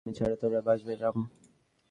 আমি তোমায় ছাড়া বাঁচব না, রাম।